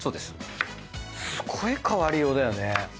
すごい変わりようだよね。